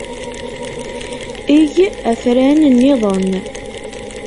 Eg afran-nniḍen.